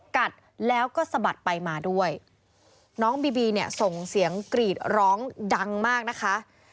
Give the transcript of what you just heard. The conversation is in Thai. กัดแล้วก็สะบัดไปมาด้วยน้องบีบีเนี่ยส่งเสียงกรีดร้องดังมากนะคะ